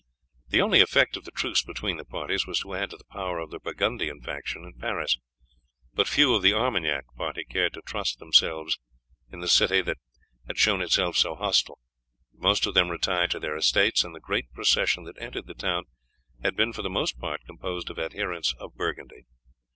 The only effect of the truce between the parties was to add to the power of the Burgundian faction in Paris. But few of the Armagnac party cared to trust themselves in the city that had shown itself so hostile, but most of them retired to their estates, and the great procession that entered the town had been for the most part composed of adherents of Burgundy.